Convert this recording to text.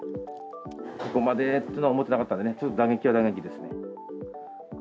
ここまでとは思ってなかったのでね、ちょっと打撃は打撃ですね。